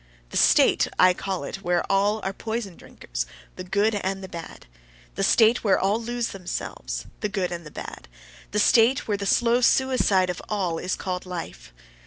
The state, I call it, where all are poison drinkers, the good and the bad: the state, where all lose themselves, the good and the bad: the state, where the slow suicide of all is called "life."